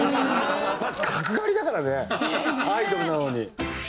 角刈りだからねアイドルなのに。